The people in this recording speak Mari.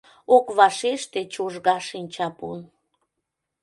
Ок вашеште чужга шинчапун.